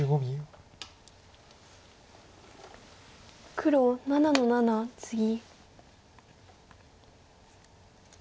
黒７の七ツギ。